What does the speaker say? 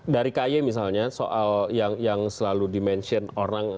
dari ky misalnya soal yang selalu dimention orang